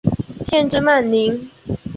县治曼宁。